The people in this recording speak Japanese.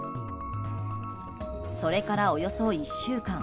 それから、およそ１週間。